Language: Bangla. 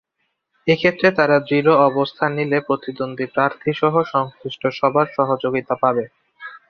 এ ক্ষেত্রে তারা দৃঢ় অবস্থান নিলে প্রতিদ্বন্দ্বী প্রার্থীসহ সংশ্লিষ্ট সবার সহযোগিতা পাবে।